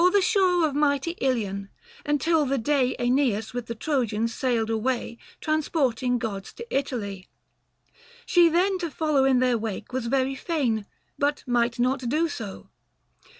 the shore Of mighty Ilion, until the day iEneas with the Trojans sailed away, 285 Transporting Gods to Italy. She then To follow in their wake was very fain But might not do so.